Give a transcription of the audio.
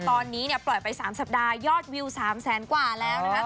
ตอนนี้ปล่อยไป๓สัปดาห์ยอดวิว๓แสนกว่าแล้วนะคะ